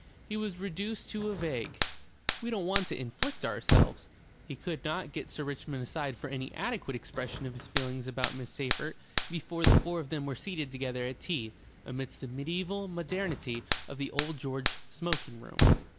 He was reduced to a vague: "We don't want to inflict ourselves " He could not get Sir Richmond aside for any adequate expression of his feelings about Miss Seyffert, before the four of them were seated together at tea amidst the mediaeval modernity of the Old George smoking room.